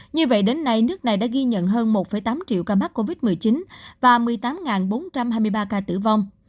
như vậy đến nay nước này đã ghi nhận hơn một tám triệu ca mắc covid một mươi chín và một mươi tám bốn trăm hai mươi ba ca tử vong